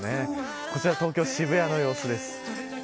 こちら東京、渋谷の様子です。